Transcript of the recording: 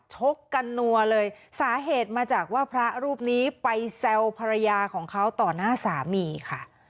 ชกกันนัวเลยสาเหตุมาจากว่าพระรูปนี้ไปแซวภรรยาของเขาต่อหน้าสามีค่ะ